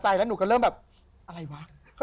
ไม่เป็นไรนะคะ